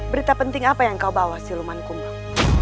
berita penting apa yang kau bawa siluman kumbang